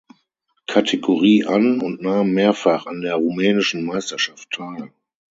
Kategorie an und nahm mehrfach an der rumänischen Meisterschaft teil.